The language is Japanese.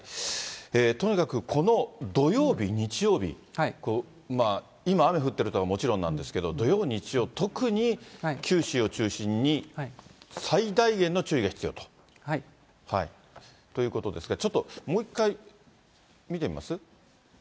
とにかくこの土曜日、日曜日、今、雨降っている所はもちろんなんですけれども、土曜、日曜、特に九州を中心に最大限の注意が必要と。ということですが、ちょっともう一回見てみます？